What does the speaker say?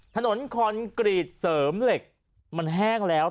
คอนกรีตเสริมเหล็กมันแห้งแล้ว